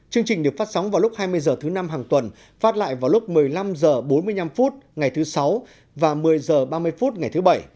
chương trình được phát sóng vào lúc hai mươi h thứ năm hàng tuần phát lại vào lúc một mươi năm h bốn mươi năm ngày thứ sáu và một mươi h ba mươi phút ngày thứ bảy